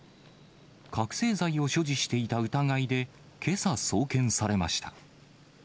覚醒剤を所持していた疑いで、けさ、送検されました。